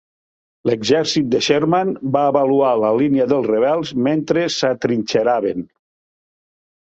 L'exèrcit de Sherman va avaluar la línia dels Rebels mentre s'atrinxeraven.